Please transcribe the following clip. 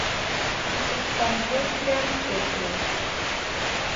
It is from Butuan City.